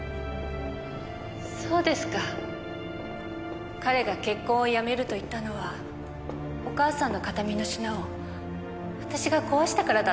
そうですか彼が結婚をやめると言ったのはお母さんの形見の品を私が壊したからだったんですね。